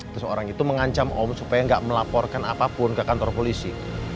terus orang itu mengancam om supaya gak melaporkan apapun ke kantor polisi